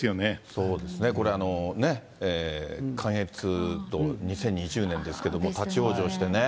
そうですね、これ、関越道、２０２０年ですけども、立往生してね。